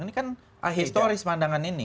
ini kan historis pandangan ini